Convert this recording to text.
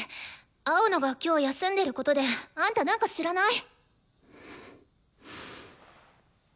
青野が今日休んでることであんたなんか知らない？